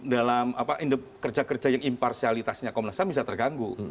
dalam kerja kerja yang imparsialitasnya komnas ham bisa terganggu